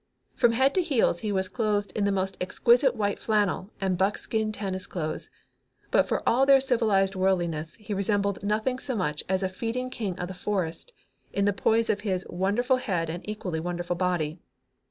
From head to heels he was clothed in the most exquisite white flannel and buckskin tennis clothes, but for all their civilized worldliness he resembled nothing so much as a feeding king of the forest in the poise of his wonderful head and equally wonderful body.